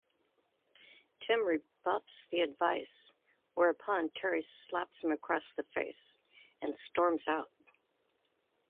Tim rebuffs the advice, whereupon Terry slaps him across the face and storms out.